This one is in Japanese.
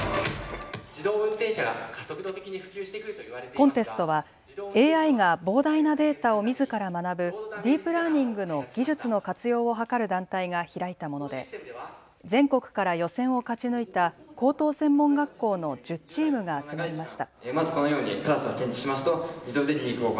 コンテストはＡＩが膨大なデータをみずから学ぶディープラーニングの技術の活用を図る団体が開いたもので全国から予選を勝ち抜いた高等専門学校の１０チームが集まりました。